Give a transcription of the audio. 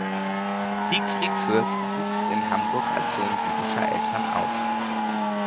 Siegfried Fürst wuchs in Hamburg als Sohn jüdischer Eltern auf.